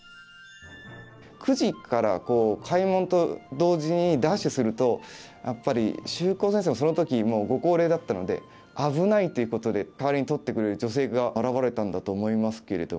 ９時から開門と同時にダッシュするとやっぱり秀行先生もその時もうご高齢だったので危ないということで代わりに取ってくれる女性が現れたんだと思いますけれども。